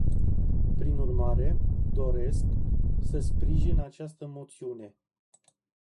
Prin urmare, doresc, să sprijin această moțiune.